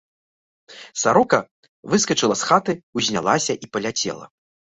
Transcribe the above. Сарока выскачыла з хаты, узнялася і паляцела.